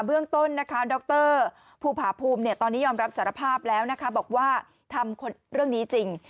เรื่องต้นนะคะดรภูผาภูมิตอนนี้ยอมรับสารภาพแล้วนะคะบอกว่าทำเรื่องนี้จริง